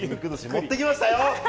持って来ましたよ。